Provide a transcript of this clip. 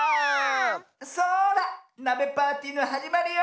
そらなべパーティーのはじまりよ。